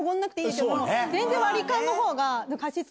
全然割り勘のほうが。